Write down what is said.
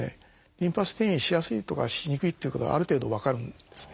リンパ節に転移しやすいとかしにくいってことがある程度分かるんですね。